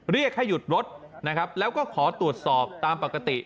เรียกให้หยุดรถนะครับแล้วก็ขอตรวจสอบตามปกติ